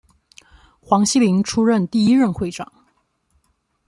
黄锡麟出任第一任会长。